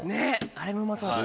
あれもうまそうだった。